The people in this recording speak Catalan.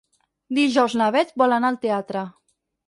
Dijous na Bet vol anar al teatre.